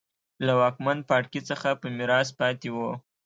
له واکمن پاړکي څخه په میراث پاتې وو.